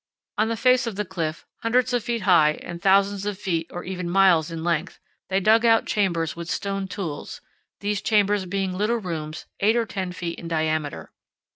On the face of the cliff, hundreds of feet high and thousands of feet or even miles in length, they dug out chambers with stone tools, these chambers being little rooms eight or ten feet in diameter.